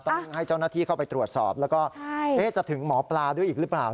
ต้องให้เจ้าหน้าที่เข้าไปตรวจสอบแล้วก็จะถึงหมอปลาด้วยอีกหรือเปล่า